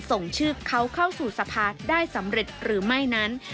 ส่งชื่อเขาเข้าสู่สภาได้สำเร็จหรือไม่นั้น